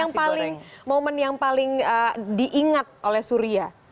apa momen yang paling diingat oleh surya